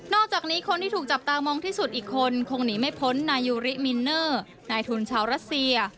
อกจากนี้คนที่ถูกจับตามองที่สุดอีกคนคงหนีไม่พ้นนายยูริมินเนอร์นายทุนชาวรัสเซีย